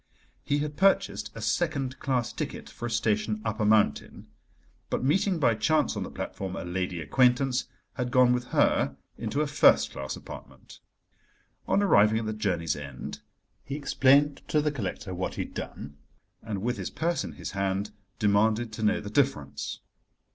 He had purchased a second class ticket for a station up a mountain, but meeting, by chance on the platform, a lady acquaintance, had gone with her into a first class apartment. On arriving at the journey's end he explained to the collector what he had done, and, with his purse in his hand, demanded to know the difference.